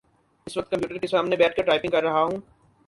اس وقت کمپیوٹر کے سامنے بیٹھ کر ٹائپنگ کر رہا ہوں